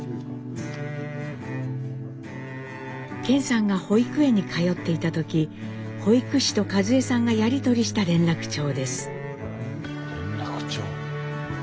顕さんが保育園に通っていた時保育士と和江さんがやり取りした連絡帳です。